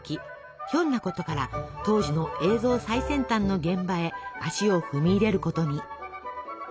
ひょんなことから当時の映像最先端の現場へ足を踏み入れることに。